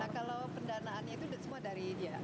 kalau pendanaannya itu semua dari dia